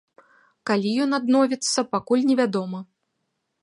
Калі ён адновіцца, пакуль невядома.